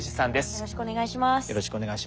よろしくお願いします。